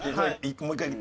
もう１回。